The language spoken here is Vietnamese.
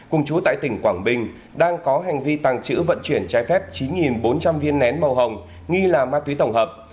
cùng chú tại tỉnh quảng bình đang có hành vi tàng trữ vận chuyển trái phép chín bốn trăm linh viên nén màu hồng nghi là ma túy tổng hợp